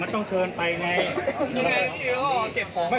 มันต้องเกินไปไง